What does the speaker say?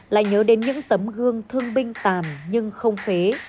lại nhớ đến những tấm gương thương binh tàn nhưng không phế